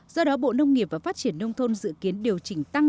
do đó bộ nông nghiệp và phát triển nông thôn dự kiến điều chỉnh tăng